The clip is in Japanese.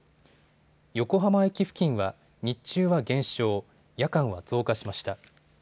横浜駅付近は日中は減少、夜間は増加しました。